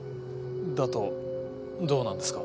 だとどうなんですか？